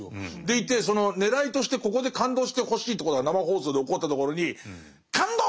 そのねらいとしてここで感動してほしいということが生放送で起こったところに「感動！